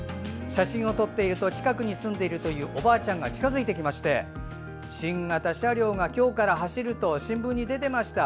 写真を撮っていると近くに住んでいるというおばあちゃんが近づいてきまして新型車両が今日から走ると新聞に出てました。